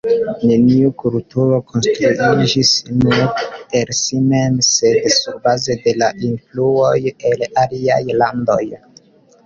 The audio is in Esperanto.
Neniu kulturo konstruiĝis nur el si mem, sed surbaze de influoj el aliaj landoj.